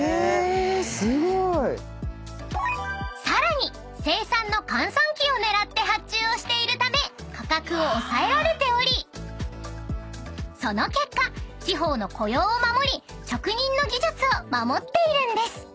［さらに生産の閑散期を狙って発注をしているため価格を抑えられておりその結果地方の雇用を守り職人の技術を守っているんです］